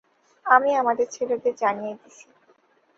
আমি আমাদের ছেলেদের জানিয়ে দিছি।